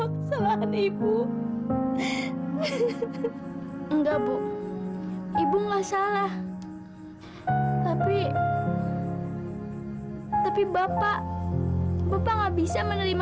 ini pun semua kesalahan ibu enggak bu ibu enggak salah tapi tapi bapak bapak nggak bisa menerima